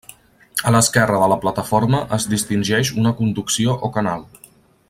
A l'esquerra de la plataforma es distingeix una conducció o canal.